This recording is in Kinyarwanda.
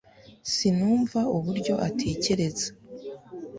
sinumva uburyo atekereza